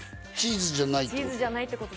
チーズじゃないってこと？